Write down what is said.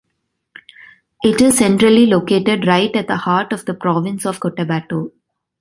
It is centrally located right at the heart of the province of Cotabato.